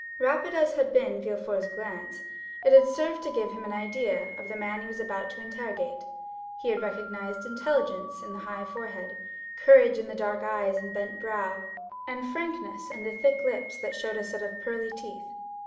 Rapid as had been Villefort's glance, it had served to give him an idea of the man he was about to interrogate. He had recognized intelligence in the high forehead, courage in the dark eye and bent brow, and frankness in the thick lips that showed a set of pearly teeth.